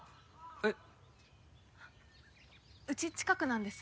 えっ！？